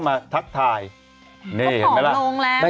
อ้าวไอ้ผีกูจะไปรู้เรื่องก็ได้ยังไง